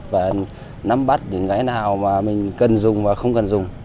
và nắm bắt những cái nào mà mình cần dùng và không cần dùng